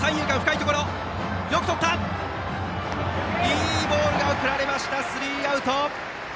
いいボールが送られましたスリーアウト！